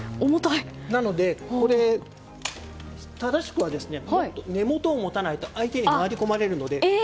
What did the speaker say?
なので、正しくは根元を持たないと相手に回り込まれるので。